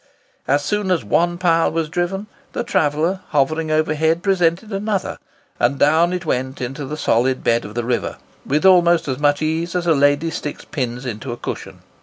As soon as one pile was driven, the traveller, hovering overhead, presented another, and down it went into the solid bed of the river, with almost as much ease as a lady sticks pins into a cushion.